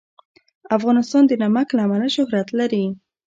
افغانستان د نمک له امله شهرت لري.